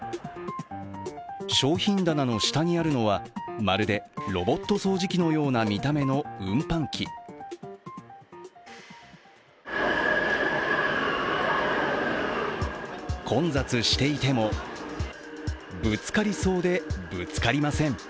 商品棚の下にあるのは、まるでロボット掃除機のような見た目の運搬機混雑していても、ぶつかりそうでぶつかりません。